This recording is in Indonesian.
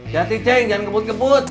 jati ceng jangan kebut kebut